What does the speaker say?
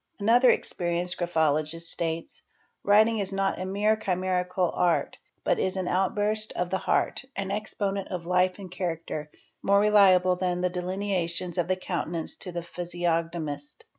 Another experienced graphologist states.—'' Writing is not a mere chimerical art, but is an outburst of the heart, an exponent of life and character, more reliable than the delinea : tions of the countenance to the physiognomist."